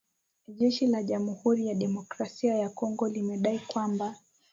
Jeshi la Jamhuri ya kidemokrasia ya Kongo limedai kwamba